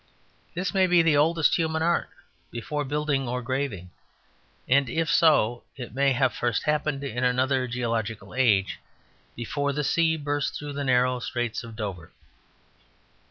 This may be the oldest human art before building or graving. And if so, it may have first happened in another geological age, before the sea burst through the narrow Straits of Dover.